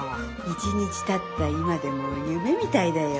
１日たった今でも夢みたいだよ。